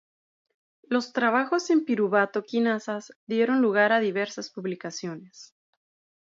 Los trabajos en piruvato quinasas dieron lugar a diversas publicaciones.